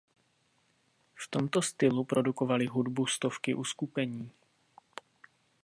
V tomto stylu produkovaly hudbu stovky uskupení.